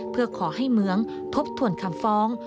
เพื่อขอให้เมืองทบทวนคำฟ้อง